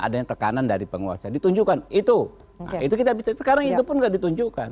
adanya tekanan dari penguasa ditunjukkan itu itu kita bicara sekarang itu pun nggak ditunjukkan